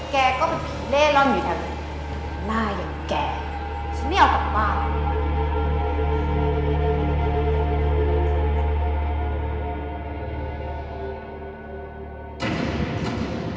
แกก็เป็นผีเล่ร่อนอยู่ทั้งหนึ่งหน้าอย่างแกฉันไม่เอาต่อไปบ้าน